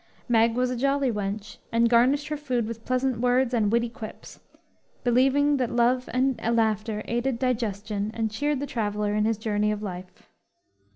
Meg was a jolly wench, and garnished her food with pleasant words and witty quips, believing that love and laughter aided digestion and cheered the traveler in his journey of life.